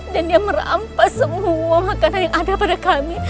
dan dia merampas semua makanan yang ada pada kami